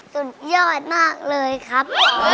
สุดยอดมากเลยครับ